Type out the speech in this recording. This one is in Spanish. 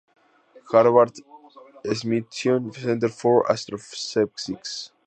Harvard-Smithsonian Center for Astrophysics.